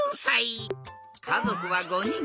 かぞくは５にん。